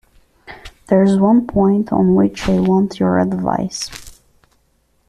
There is one point on which I want your advice.